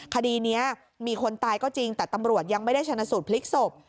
คดีนี้มีคนตายก็จริงแต่ตำรวจยังไม่ได้ชนะสูตรพลิกศพ